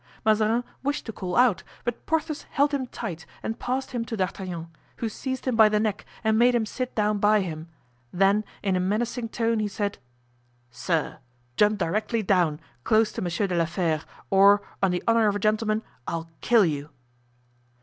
Mazarin wished to call out, but Porthos held him tight and passed him to D'Artagnan, who seized him by the neck and made him sit down by him; then in a menacing tone, he said: "Sir! jump directly down, close to Monsieur de la Fere, or, on the honor of a gentleman, I'll kill you!"